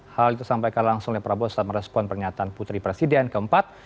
hal itu sampaikan langsung oleh prabowo setelah merespon pernyataan putri presiden keempat